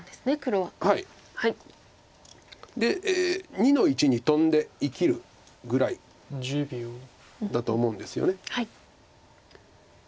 ２の一にトンで生きるぐらいだと思うんですよね。